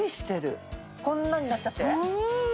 こんなんになっちゃって？